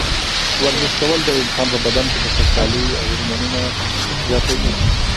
ورزش کول د انسان په بدن کې د خوشحالۍ هورمونونه زیاتوي.